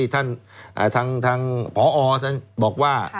ท่านทางทางผอท่านบอกว่า